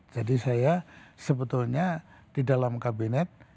jadi saya sebetulnya di dalam kabinet